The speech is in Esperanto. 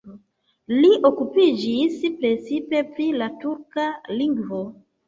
Li okupiĝis precipe pri la turka lingvo.